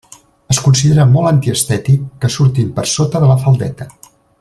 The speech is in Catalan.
Es considera molt antiestètic que surtin per sota de la faldeta.